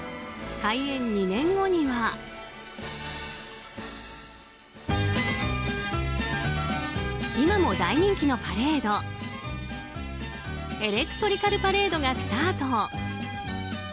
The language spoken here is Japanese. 開園２年後には今も大人気のパレードエレクトリカルパレードがスタート。